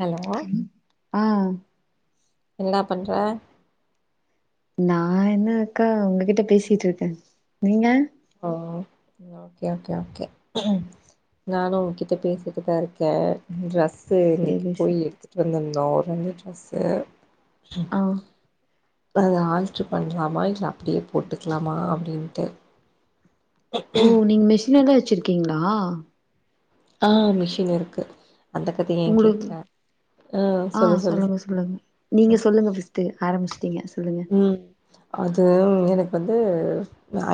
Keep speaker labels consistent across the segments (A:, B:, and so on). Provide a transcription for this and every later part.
A: Hello
B: ஆ
A: என்ன பண்ற
B: நா என்ன அக்கா உங்ககிட்ட பேசிட்டு இருக்கே நீங்க
A: ஓ ஓகே ஓகே ஓகே நானு உன்கிட்ட பேசிட்டுதா இருக்கே ட்ரஸ் சேரி இன்னிக்கி போய் எடுத்துட்டு வந்திருந்தோ ஒரு ரெண்டு ட்ரஸூ
B: ஆ
A: பெறகு ஆல்டர் பண்லாமா இல்ல அப்டியே போட்டுக்கலாமா அப்டின்ட்டு
B: ஓ நீங்க மெஷினெல்லா வெச்சிருக்கீங்ளா
A: ஆ மிஷின் இருக்கு அந்த கதய ஏன்
B: உங்களுக்கு
A: கேக்கற
B: ஆ சொல்லுங்க சொல்லுங்க நீங்க சொல்லுங்க ஃப்ர்ஸ்ட்டு ஆரம்பிச்
A: ம் அது எனக் வந்து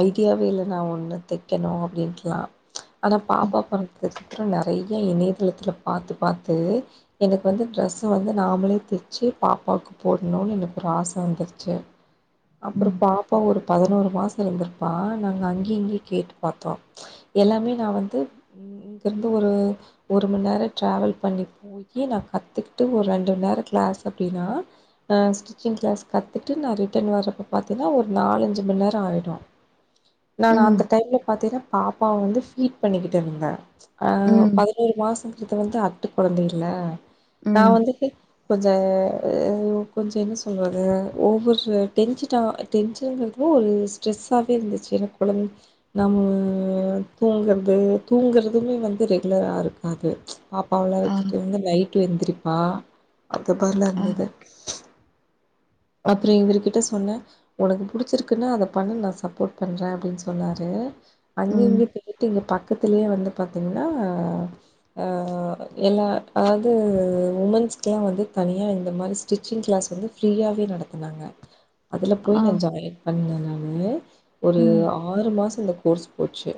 A: ஐடியாவே இல்ல நா ஒன்னு தெக்கணு அப்டின்ட்டெல்லா ஆனா பாப்பா பொறந்ததுக்குப்புறோ நெறயா இணையதளத்துல பாத்து பாத்து எனக்கு வந்து ட்ரெஸ்ஸு வந்து நாமளே தெச்சு பாப்பாவுக்கு போடணுனு எனக்கு ஒரு ஆச வந்துருச்சு அப்புறோ
B: ம்
A: பாப்பா ஒரு பதினோரு மாசோ இருந்திருப்பா நாங்க அங்க இங்கயு கேட்டு பாத்தோ எல்லாமே நா வந்து இங்கிருந்து ஒரு ஒரு மணி நேரோ ட்ராவல் பண்ணி போயி நா கத்துக்கிட்டு ஒரு ரெண்டு நேரோ கிளாஸ் அப்பிடின்னா ஸிடிச்சிங் கிளாஸ் க த்துட்டு நா ரிட்டர்ன் வர்றப்ப பாத்தீனா ஒரு நாலஞ்சு மண் நேரோ ஆயிடு நான்
B: ம்
A: அந்த டைம்ல பாத்தீன்னா பாப்பாவ வந்து ஃபீட் பண்ணிக்கிட்டு இருந்தே ஆ
B: ம்
A: பதினோரு மாசங்கிறது வந்து அட்டு கொழந்த இல்ல நா
B: ம்
A: வந்துட்டு கொஞ்ச அ கொஞ்ச என்ன சொல்றது ஓவரு டென்ஷனா டென்ஷனுங்கிறது ஒரு ஸ்ட்ரெஸ்ஸாவே இருந்துச்சு என கொழந்த நா ம் தூங்குறது தூங்குறதுமே வந்து ரெகுலரா இருக்காது பாப்பாவெல்லா
B: ஆ
A: வெச்சிட்டு இருந்து நைட் டு எந்திரிப்பா அது மாறில்லா
B: ஆ
A: இருந்தது அப்புறோ இவரு கிட்ட சொன்ன உனக்கு புடிச்சிருக்குன்னா அத பண்ணு நா சப்போர்ட் பண்றே அப்டின்னு சொன்னாரு அங்க
B: ம்
A: இங்கயு பேய்ட்டு இங்க பக்கத்திலயே வந்து பாத்தீங்கன்னா ஆ ஆ எல்லா அதாவது உமென்ஸ்க்கெல்லா வந்து தனியா இந்த மாரி ஸ்டிச்சிங் கிளாஸ் வந்து ஃப்ரீயா நடத்துனாங்க அதுல போய்
B: ஆ
A: நான் ஜாயின் பண்ண நானு ஒரு
B: ம்
A: ஆறு மாசோ இந்த கோர்ஸ் போச்சு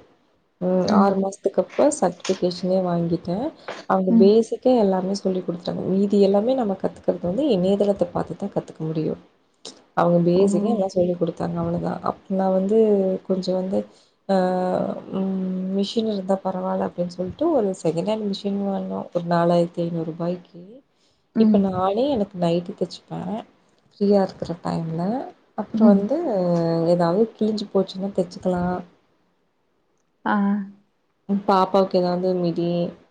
A: ம் ஆறு மாசத்துக்கப் சர்ட்டிபிகேஷனே வாங்கிட்டேன் அவுங்க
B: ம்
A: பேசிக்கே எல்லா சொல்லி குடுத்துட்டாங்க மீதி எல்லாமே நம்ம கத்துக்கிறது வந்து இணையதளத்த பாத்துதா கத்துக்க முடியு அவுங்க
B: ஓ
A: பேசிக்கா எல்லா சொல்லிக் குடுத்தாங்க அவ்வளவுதா அப்பனா வந்து கொஞ்சோ வந்து அ ஆ மிஷின் இருந்தா பரவாயில்ல அப்டின்னு சொல்ட்டு ஒரு செக்ஹண்ட் மிஷின் வாங்கினோ ஒரு நாலாயிர த்தி ஐநூறு ரூபாய்க்கு இப்ப
B: ம்
A: நானே எனக்கு நைட்டி தெச்சுப்பே ஃப்ரீயா இருக்கிற டைம்ல அப்புறோ
B: ம்
A: வந்து எதாவது கிழிஞ்சு போச்சுன்னா தெச்சுக்கலா
B: ஆ
A: பாப்பாவுக்கு எதாவது மிடி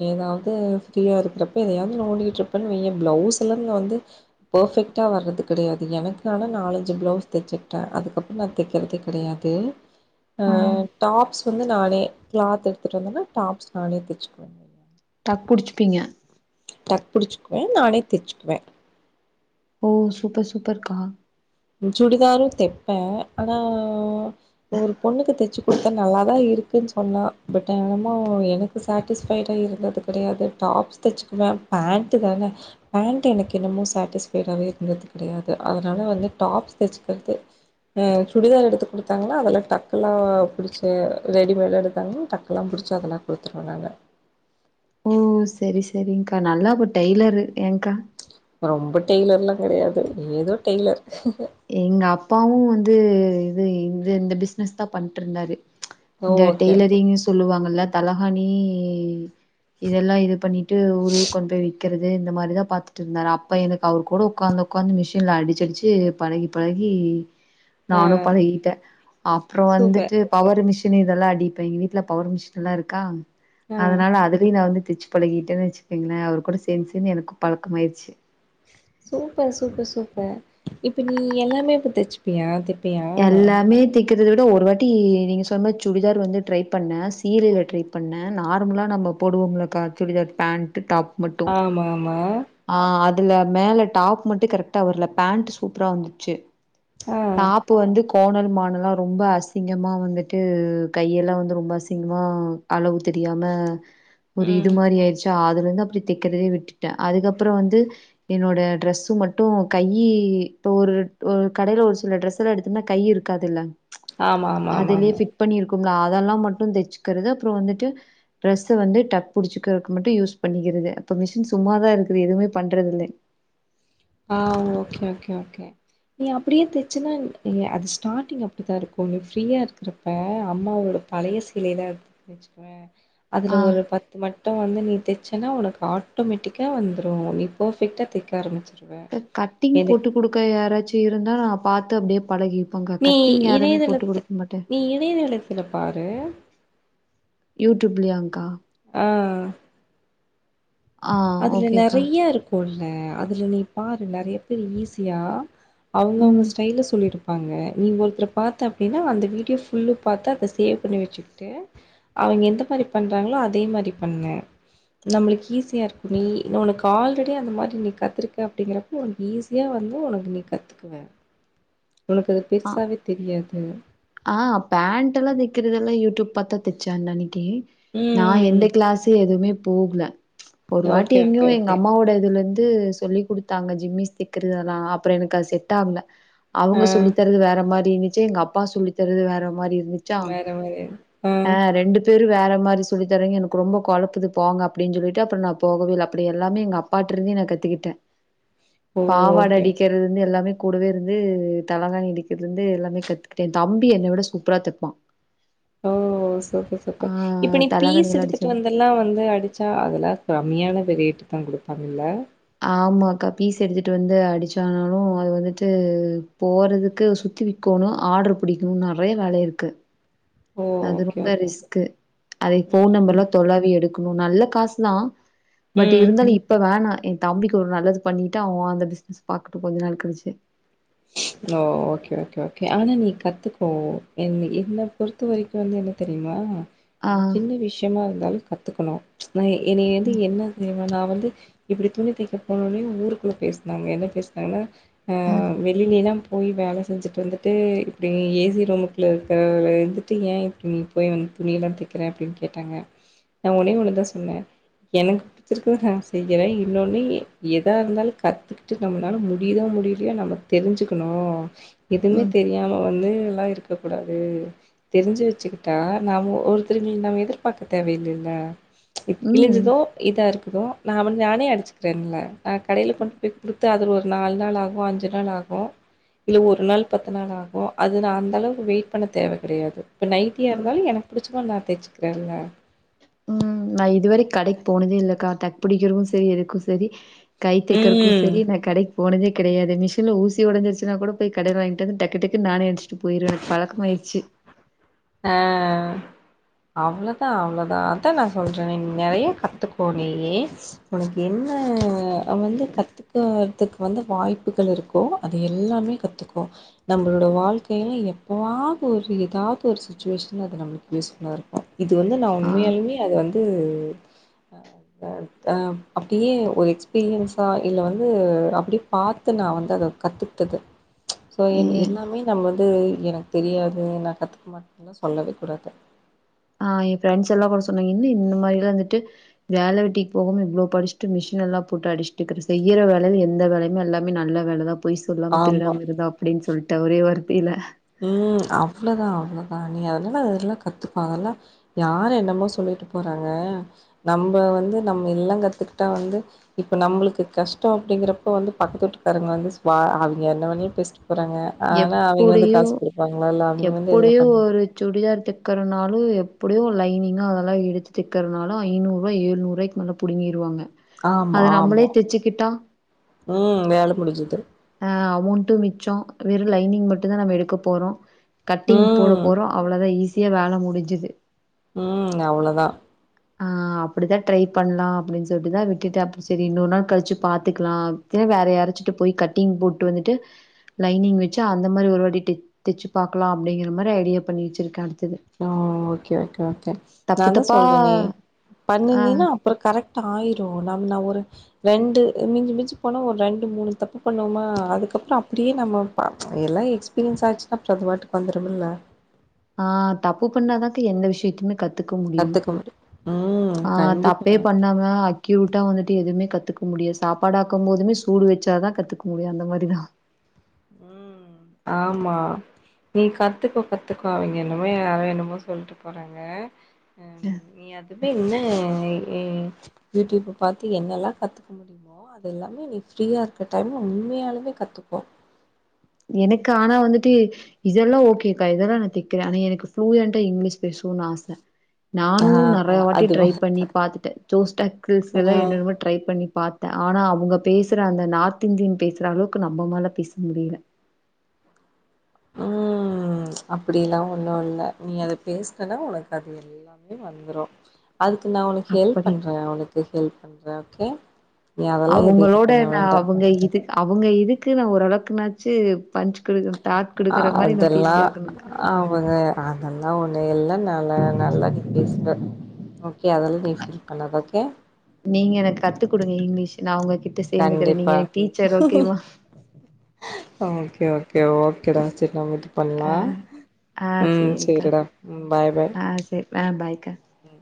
A: ஏதாவது ஃப்ரீயா இருக்கிறப்ப எதயாவது நோண்டிகிட்டு இருப்பன்னு வெய் பிளவுஸ்லா இங்க வந்து பர்ஃபெக்டா வர்றது கெடையாது எனக்கு ஆனா நாலஞ்சு பிளவுஸ் தெச்சிகிட்டே அதுக்கப்புறோ நா தெக்கறதே கெடையாது ஆ டாப்ஸ் வந்து நானே கிளாத் எடு த்துட்டு வந்தனா டாப்ஸ் நானே தெச்சுக்குவே
B: டக் புடிச்சுப்பீங்க
A: டக் புடிச்சுக்குவே நானே தெச்சுக்குவே
B: ஓ சூப்பர் சூப்பர்க்கா
A: சுடிதாரு தெப்பே ஆனா ஒரு பொண்ணுக் தச்சு கொடுத்த நல்லாதா இருக் அப்படின்னு சொன்னா பட் என்னமோ எனக்கு சாட்டிஸ்ஃபைடா இருந்தது கிடையாது டாப்ஸ் தெச்சுக்குவ பேண்டு தான பேண்டு எனக்கு இன்னமு சாட்டிஸ்ஃபைடாவே இருந்தது கெடையாது அதனால வந்து டாப்ஸ் தச்சக்கர்து உம் சுடிதார் எடுத்து கொடுத்தாங்கனா அதெல டக்குெல்லா புடிச்சு ரெடிமேடா எடுத்தாங்கனா டக்கெல்லா புடி புடிச்சதெல்லா கொடுத்துருவோ நாங்க
B: ஓ சரி சரிங் கா நல்லா ஒரு டெய்லரு ஏங்கா
A: ரொம்ப டெய்லர்ல்லா கெடையாது ஏதோ டெய்லர்
B: எங்க அப்பாவு வந்து இது இந்த இந்த பிசினஸ் தா பண்ணிட்டு இருந்தாரு இந்த
A: ஓகே ஓகே
B: டெய்லரிங் சொல்லுவாங்கல்ல தலஹாணி இதெல்லா இது பண்ணிட்டு ஊர் ஊருக்கு வந்து விற்கறது இந்த மாரிதா பாத்துட்டு இருந்தாரு அப்ப எனக்கு அவர் கூட உக்காந்து உக்காந்து மெஷின்ல அடிச்சு அடிச்சு பழகி பழகி
A: ஆ
B: நானு பழகிட்ட அப்புறம்
A: சூப்பர்
B: வந்துட்டு பவர் மெக்ஷின் ன் இதெல்லா அடிப்ப எங்க வீட்ல பவர் மிஷின் எல்லா இருக்கா
A: ஆ
B: அதனால அதுவே நா வந்து திச்ச பழகிட்டேனு வச்சுக்கீங்களே அவர் கூட சேந்து சேந்து எனக்கு பழக்க ஆயிடுச்சு
A: சூப்பர் சூப்பர் சூப்பர் இப்ப நீ எல்லாமே இப்போ தச்சுப்பியா தெப்பியா
B: எல்லாமே தை கிட்டதட்ட ஒரு வாட்டி நீங்க சொன்ன சுடிதார் வந்து ட்ரை பண்ண சீலைல ட்ரை பண்ண நார்மலா நம்ம போடுவோம்ளக்கா சுடிதார் பேண்ட் டாப் மட்டும்
A: ஆமா ஆமா
B: ஆ அதுல மேல டாப் மட்டு கரெக்டா வர்ல பேண்ட் சூப்பரா வந்துச்சு
A: ஆ
B: டாப் வந்து கோணல் மானல்லா ரொம்ப அசிங்கமா வந்துட்டு கையெல்லா வந்து ரொம்ப அசிங்கமா அளவு தெரியாம ஒரு இது
A: ம்
B: மாரி ஆயிச்சா அது வந்து அப்டி தெக்கறதே விட்டுட்ட அதுக்கப்பறோ வந்து என்னோட டிரெஸு மட்டு கையி இப்போ ஒரு ஒ கடையில ஒரு சில டிரரெஸ் எல்லா எடுத்தோன்னா கை இருக்காதுல்ல
A: ஆமா ஆமா ஆமா ஆமா
B: இருக்கும்ல அதெல்லா மட்டு தெச்சுக்கறது அப்றோ வந்துட்டு டிரெஸ்ஸ வந்து டக் புடுச்சுக்கறக்கு மட்டு யூஸ் பண்ணி க்கறது அப்ப மிஷின் சும்மாதா இருக்குது எதுமே பண்றது இல்ல
A: ஆ ஓகே ஓகே ஓகே நீ அப்டியே தச்சுன்னா அது ஸ்டார்டிங் அப்டித்தா இருக்கு நீ ஃப்ரீயா இருக்கறப்ப அம்மாவோட பழைய சீலைல இருக்கு வச்சுகோவே அதுல
B: ஆ
A: ஒரு பத்து மட் ட்ட வந்து நீ தெச்சனா உனக்கு ஆட்டோமேட்டிக்கா வந்துரு நீ பர்ஃபெக்டா தெக்க ஆரமிச்
B: கா கட்டிங் போட்டு கொடுக்க யாராச்சு இருந்தா நா பாத்து அப்டியே பழகி
A: நீ இணையதளத்து நீ இணையதளத்துல பாரு
B: யூ ட்யூப்லயாங்கா
A: ஆ
B: ஆ
A: அதுல
B: ஓகேக்கா
A: நெறய இருக்கு அதுல நீ பாரு நெறய பேர் ஈஸியா அவங்கவங்க
B: ம்
A: ஸ்டைல சொல்லிரு பாங்க நீ ஒருத்தர பாத்த அப்டின்னா அந்த வீடியோ ஃபுள்ளு பாத்த அத சேவ் பண்ணி வெச்சுக்கிட்டு அவங்க எந்த மாரி பண்றாங்களோ அதே மாரி பண்ணு நம்ளுக் இ ஸியா இருக்கு நீ ஒனக்கு ஆல்ரெடி அந்த மாரி நீ கத்துருக்க அப்டிங்கறப்போ ஒனக்கு ஈஸியா வந்து உனக்கு நீ கத்து குவ
B: அ ஆ பேண்ட் எல்லா தெக்கறதெல்லா யூ ட்யூப் பாத்த தெச்சா அந்தன்னைக்கு நா
A: ம்
B: எந்த
A: ம்
B: கிளாஸு எதுமே போகல ஒரு வாட்டி
A: ஓகே ஓகே
B: எங்கேயு எங்க
A: ஓகே
B: அம்மாவோட இதுல இந்து சொல்லி் குடுத்தாங்க ஜிம்மிஸ் தெக்கறதெல்லா அப்றோ எனக்கு அது செட் ஆகல
A: ஆ
B: அவங்க சொல்லி தரது வேற மாரி இருந்துச்சு எங்க அப்பா சொல்லி தரது வேற மாரி இருந்துச்சா
A: வேற மாரி
B: ஆ ரெண்டு வேற மாரி சொல்லித்தர்றங்க எனக்கு ரொம்ப கொழப்புது போங்க அப்டின்னு சொல்லிட்டு அப்றோ நா போகவே அப்டி எல்லாமே எங்க அப்பா ட்ருந்தே நா கத்துக்கிட்டே
A: ஓ
B: பாவாட
A: ஓகே
B: அடிக்கறதுந்து எல்லாமே கூடவே இருந்து தலகானி அடிக்கிறதுலருந்து எல்லாமே கத்துக்கிட்டே என் தம்பி என்ன விட சூப்பரா தெப்பா
A: ஓ சூப்பர்
B: ஆ
A: சூப்பர் இப்ப நீ பீஸ்
B: தலகாணியெல்லா அடிச்சு
A: எடுத்துட்டு வந்தெல்லா வந்து அடிச்சா அதெல்லா கிரப் கம்மியான ரேட் தா கொடுப்பாங்கல்ல
B: ஆமா அக்கா பீஸ் எடுத்துட்டு வந்து அடிச்சானாலு அது வந்துட்டு போறதுக்கு சு த்து விக்கோணு ஆடர் பிடிக்கணு நெறய வேல இருக்கு
A: ஓ!
B: அது
A: ஓகே,
B: ரொம்ப
A: ஓகே.
B: ரிஸ்கு அதை
A: ம்,
B: போன் நம்பர்லா
A: ம்.
B: தொளாவி எடுக்கணு நல்ல காசு தா பட்
A: ம்.
B: இருந்தாலு இப்ப வேணா என் தம்பிக்கு ஒரு நல்லது பண்ணிட்டு அவன் அந்த பிசினஸ் பாக்கட்டு கொஞ்ச நாள் கலுச்சு
A: ஓ ஓகே ஓகே ஓகே ஆனா நீ கத்துக்கோ என் என்ன பொறுத்த வரைக்கு வந்து என்ன தெரியுமா
B: ஆ,
A: நம்ம சின்ன விஷயமா இருந்தாலு கத்துக்கணு நா என்னய வந்து என்ன தெரியுமா நா வந்து இப்டி துணி தெக்க போனோன்னே ஊருக்குள்ள பேசுனாங்க என்ன பேசுனாங்கனா ஆ
B: அ,
A: வெளிலெல்லா போய் வேல செஞ்சுட்டு வந்துட்டு இப்டி ஏசி ரூமுக்குள்ள இருக்கறவள வந்துட்டு ஏன் இப்டி நீ போய் வந்து துணியல்லா தெக்கற அப்டின்னு கேட்டாங்க நா ஒன்னே ஒண்ணு தான் சொன்னே எனக்கு பிடிச்சிருக்கத நா செய்யற இன்னொன்னு எதா இருந்தாலு கத்துக்கிட்டு நம்மளால முடியுதா முடியலையா நம்ம தெரிஞ்சுக்கணு எதுமே
B: ம்,
A: தெரியாம வந்து எல்லா இருக்கக் கூடாது தெரிஞ்சு வச்சுக்கிட்டா நம் ஒருத்தரு நம் எதுர்பாக்க தேவையில்லல் ல இப்ப
B: ம்.
A: கிழிஞ்சதோ இதா இருக்கு தோ நான் வந்து நானே அடிச்சுக்கிறேன்ல்ல நா கடையில கொண்டு போய் குடுத்து அது ஒரு நாலு நாள் ஆகு அஞ்சு நாள் ஆகு இல்ல ஒரு நாள் பத்து நாள் ஆகு அது நா அந்த அளவுக்கு வெயிட் பண்ண தேவ கெடையாது இப்ப நைட்டியா இருந்தாலு எனக்கு புடிச்ச மாரி நா தெச்சுக்கறன்ல
B: உம் நான் இதுவரை கடைக் போனதே இல்க்கா டக்கு பிடிக்கிறவும் சரி எதுக்கும் சரி கை தைக்குறதுகும்
A: ம்
B: சரி நான் கடைக்கு போனதேக் கிடையாது மிஷின்ல ஊசி உடஞ்சுச்சின்னா கூட போய் கடைல வாங்கிட்டு வந்து டக்கு டக்கு நானே அடிச்சிட்டி போயிருவ எனக்கு பழக்கமா ஆயிச்சு [inaudible]
A: ஆஹ் அவ்ளோதா அவ்ளோதா அதான் நான் சொல்றேன் நீ நிறைய கத்துக்கோக நீயி உனக்கு என் ன வந்து கற்றுக்கிறதுக்கு வந்து வாய்ப்புகள் இருக்கோ அது எல்லாமே கத்துக்கோ நம்மளோட வாழ்க்கையில எப்போவாது ஒரு ஏதாவது ஒரு சுச்சுவேஷன் அது நம்ளுக் யூஸ்புஃல்லா இருக்கும் இது வந்து நான்
B: ஆ
A: உண்மையாலுமே அது வந்து ஹ் அப்படியே ஒரு எக்ஸ்பீரியன்ஸா இல்ல வந்து அப்டியே பாத்த நா வந்து அத கத்துக்டது சோ
B: ஏ
A: எல்லாமே நம்ம வந்து எனக்கு தெரியாது நான் கத்துக் மாட் டனு சொல்லவே கூடாது
B: ஆஹ் என் ஃப்ரெண்டஸ் எல்லா கூட சொன்னாங்க என்ன இந்த மாதிரில்லாம் வந்துட்டு வேலை வெட்டிக்கு போக இவ்வளோ படிச்சுட்டு மிஷின் எல்லாம் போட்டு அடிச்சுட்டுக்கற செய்யற வேல எந்த வேலையுமே எல்லாமே நல்ல வேலை தா போய் சொல்லாம
A: ஆமா
B: திருடாம இருந்தா அப்படின்னு சொல்லிட்டு ஒரே வார்த்
A: உம் அவ்ளோதா அவ்ளோ ஆஹ் நீ அதுலா அதெல்லா நல்லா கத்துகோ அதெல்லா யாரு என்னமோ சொல்லிட்டு போறாங்க நம்ப வந்து நம்ப எல்லா கத்துக்கிட்டா வந்து இப்ப நம்மளுக்கு கஷ்டம் அப்டிங்கிறப்ப வந்து பக்கத்து வூட்டுக்காரங்க வந்து ஸ்பா அவிய்ங்க என்ன மணியும் பேசிட்டு போறாங்க ஆனா அவிய்ங்க
B: டு
A: வந்துட்
B: எப்புடியும் ஒரு சுடிதார் தக் கருணாலு எப்புடியும் லைனிங் அதொல்லா எடுத்து தைக்கிறனால ஐன்னுரு நூறுவாய் ஏழுநூறுவாய்க்கு மேல புடுங்கிறுவாங்க
A: ஆமா,
B: அது நம்மளே
A: ஆமா.
B: தெச்சுக்கிட்டா
A: ம். வேல முடிஞ்சுது.
B: ஆஹ் அமௌன்டும் மிச்சோ வெறும் லைனிங் மட்டும்தான் நம்ம எடுக்க போகிறோம் கட்டிங் போட
A: ம்,
B: போகிறோம் அவ்ளோ தான் ஈசி யா வேலை முடிஞ்சுது
A: உம் அவ்ளதா
B: ஆஹ் அப்படித்தான் ட்ரை பண்ணலாம் அப்டின்னு சொல்லிட்டுதான் விட்டுட்டு அப்ப சரி இன்னொரு நாள் கழிச்சு பாத்துக்கலாம் திரும்பி வேற யாரு ட்டு போய் கட்டிங் போட்டு வந்துட்டு லைனிங் வச்சு அந்த மாரி ஒரு வாட்டி டே தேச்சு பாக்கலா அப்டிங்ற மாரி ஐடியா பண்ணி வச்சிருக்க
A: அ ஓகே ஓகே ஓகே நா
B: தப்பு
A: தா
B: தப்பா
A: சொல்றனே
B: ஆ
A: பண்ணினினா அப்றம் கரெக்ட் ஆயிரு நாம ந ஒரு ரெண்டு மிஞ்சு மிஞ்ச போனா ஒரு ரெண்டு மூணு தப்பு பண்ணுவோமா அதுக் க்கப்ரோ அப்டியே நம்ம எல்லா எக்ஸ்பீரியன்ஸ் ஆச்சுன்னா அப்றம் அது வாட்டுக்கு வந்துருமுல்ல
B: ஆ தப்பு பண்ணா தாக்க எந்த விஷயத்துமே கத்து துக்க முடியு
A: கத்துக்க முடியும் ம்
B: ஆ தப்பே
A: கண்டிப்பா
B: பண்ணாம அக்யூர்டா வந்து எதுமே கத்துக்க முடியு சாப்பாடாக்கு போதுமே சூடு வச்சாதா கத்துக்க முடியு அந்த மாரிதா
A: ம் ஆமா நீ கத்துக்கோ கத்துக்கோ அவிங்க என்னுமோ யாரோ என்னுமோ சொல்ட்டு போறாங்க ஆ நீ அதுவே இன்னு ம் யூடிப பாத்து என்னெல்லா கத்துக்க முடிமோ அது எல்லாமே நீ ஃப்ரீயாருக்க டைம்ல உண்மையாலுமே கத்துக்கோ
B: எனக்கு ஆனா வந்துட்டு இதெல்லா ஓகேக்கா இதெல்லா நா தைக்குறே ஆனா எனக்கு ஃபுலியன்ட்டா இங்கிலீஷ் பேச துன் ஆச
A: ஆ
B: நானு நறைய வாட்டி
A: அதுவா
B: ட்ரை பண்ணி பாத்துட்டே [unintelligible]
A: ஆ
B: என்ன என்னுமோ ட்ரை பண்ணி பாத் தே ஆனா அவங்க பேசுற அந்த நார்த் இந்தியன் பேசுற அளவுக்கு நம்ம மால பேச முடில [inaudible]
A: ம் அப்டிலா ஒன்னு இல்ல நீ அத பேஸ்னனா உனக்கு அது எல்லாமே வந்ரு அதுக்கு நா உனக்கு ஹெல்ப்
B: அப்படி
A: பண்றே உனக்கு ஹெல்ப் பண்றே ஓகே நீ அதெல்லா எது இது
B: அவங்களோட
A: பண்ண
B: நா
A: வேண்டா
B: அவங்க இது அவங்க இதுக்கு நா ஓரளவுக்குனாச்சு பஞ்ச் குடுக்க டாட் குடுக்குற மாரி நான் பேசி
A: அதெல்லா
B: ஆகணுக்கா.
A: அவங்க அதெல்லா ஒன்னு இல்ல நல்ல நல்லா நீ பேசுவ ஓகே அதெல்லா நீ ஃபீல் பண்ணாத ஓகே
B: நீங்க எனக்கு கத்து குடுங்க இங்கிலீஷ் நா ஒங்ககிட்ட சேந்துக்கிறே நீங்க
A: கண்டிப்பா
B: எனக்கு டீச்சர் ஓகே வா
A: ஓகே ஓகே ஓகேடா சரி நா [unintelligible]
B: ஆ
A: பண்லா
B: ஆ
A: ம்
B: சேரிக்கா.
A: சரிடா ம் பாய் பாய்
B: ஆ சரி ஆ பாய்க்கா.
A: ம்